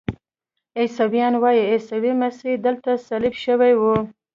عیسویان وایي عیسی مسیح دلته صلیب شوی و.